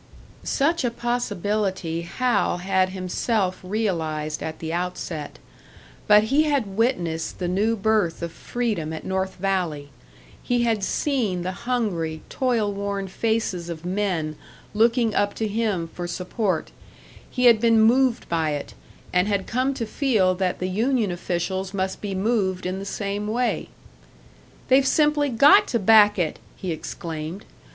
Such a possibility Hal had himself realised at the outset. But he had witnessed the new birth of freedom at North Valley, he had seen the hungry, toil worn faces of men looking up to him for support; he had been moved by it, and had come to feel that the union officials must be moved in the same way. "They've simply got to back it!" he exclaimed.